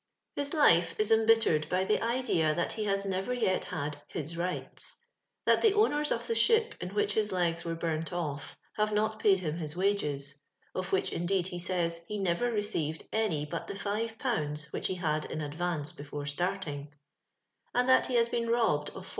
ms lifo fa embiUved bj the idea thai he has never vet had •*&& lufatB"— that fbe owners of the ship in which hfa lags warn burnt oif hare not paid him hfa wages (of which, indeed, he sitys, he never laeeifad aiqr but the flva pounds which ha had in adtnes before starting), and that he has bean nbbedof 431.